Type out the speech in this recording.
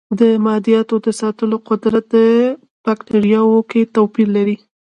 د مایعاتو د ساتلو قدرت په بکټریاوو کې توپیر لري.